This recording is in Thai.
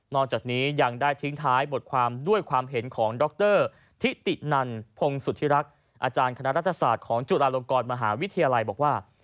จากนี้ยังได้ทิ้งท้ายบทความด้วยความเห็นของดรทิตินันพงศุธิรักษ์อาจารย์คณะรัฐศาสตร์ของจุฬาลงกรมหาวิทยาลัยบอกว่า